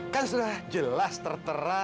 kan sudah jelas tertera